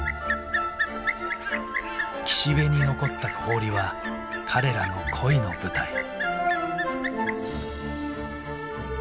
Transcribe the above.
岸辺に残った氷は彼らの恋の舞台。